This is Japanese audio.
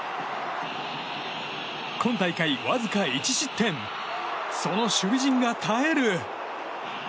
今大会わずか１失点その守備陣が耐える。